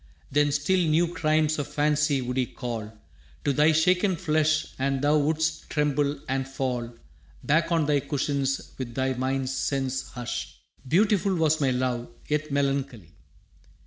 Then still new crimes of fancy would he call To thy shaken flesh, and thou wouldst tremble and fall Back on thy cushions with thy mind's sense hushed. «Beautiful was my love, yet melancholy.